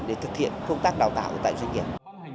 để thực hiện công tác đào tạo tại doanh nghiệp